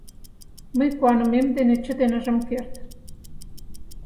Мый куанымем дене чытен ыжым керт...